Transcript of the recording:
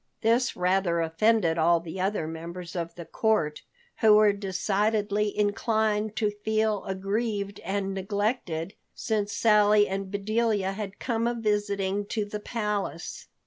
This rather offended all the other members of the court, who were decidedly inclined to feel aggrieved and neglected since Sally and Bedelia had come a visiting to the palace.